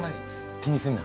気にすんな。